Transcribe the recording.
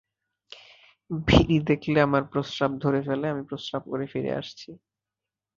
বিড়ি দেখলে আমার প্রস্রাব ধরে ফেলে, আমি প্রস্রাব করে ফিরে আসছি।